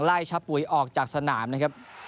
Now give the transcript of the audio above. ชะปุ๋ยออกจากสนามนะครับ